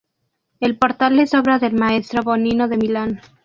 El portal es obra del maestro Bonino de Milán.